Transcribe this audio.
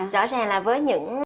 rõ ràng là với những